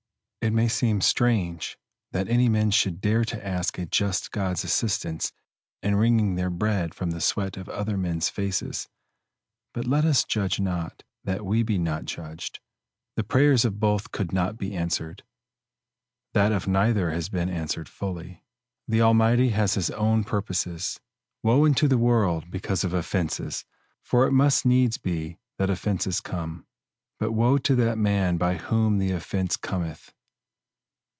It may seem strange that any men should dare to ask a just God's assistance in wringing their bread from the sweat of other men's faces; but let us judge not, that we be not judged. The prayers of both could not be answered that of neither has been answered fully. The Almighty has his own purposes. "Woe unto the world because of offenses! for it must needs be that offenses come; but woe to that man by whom the offense cometh."